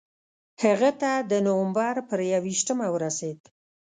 هغه ته د نومبر پر یوویشتمه ورسېد.